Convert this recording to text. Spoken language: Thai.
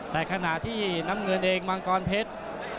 แต่ขณะที่น้ำเงินเองมังกรเพชร